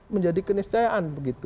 menjadi keniscayaan begitu